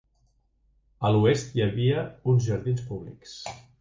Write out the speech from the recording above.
A l'oest hi havia uns jardins públics.